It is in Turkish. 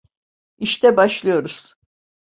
İşte başlıyoruz.